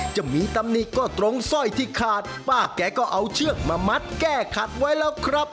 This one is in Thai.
จะมีตำหนิก็ตรงสร้อยที่ขาดป้าแกก็เอาเชือกมามัดแก้ขัดไว้แล้วครับ